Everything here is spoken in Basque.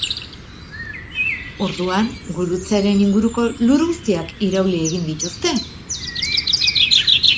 Orduan, gurutzearen inguruko lur guztiak irauli egin dituzte!